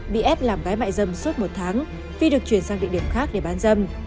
bị ép làm gái mại dâm suốt một tháng phi được chuyển sang địa điểm khác để bán dâm